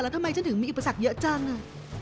ทำไมฉันถึงมีอุปสรรคเยอะจังอ่ะ